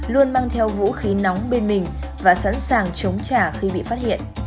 luôn mang theo vũ khí nóng bên mình và sẵn sàng chống trả khi bị phát hiện